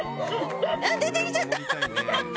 あっ、出てきちゃった！